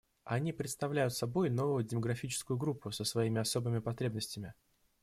Они представляют собой новую демографическую группу со своими особыми потребностями.